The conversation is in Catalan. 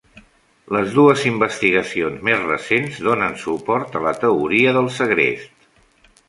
Les dues investigacions més recents donen suport a la teoria del segrest.